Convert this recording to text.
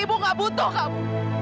ibu gak butuh kamu